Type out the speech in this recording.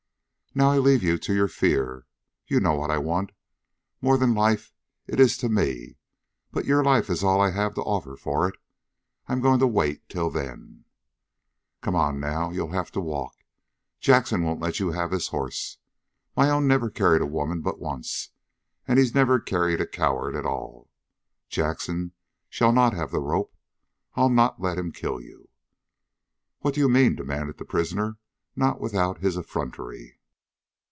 "Now I leave you to your fear! You know what I want more than life it is to me; but your life is all I have to offer for it. I'm going to wait till then. "Come on, now! You'll have to walk. Jackson won't let you have his horse. My own never carried a woman but once, and he's never carried a coward at all. Jackson shall not have the rope. I'll not let him kill you." "What do you mean?" demanded the prisoner, not without his effrontery.